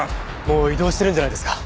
もう移動してるんじゃないですか？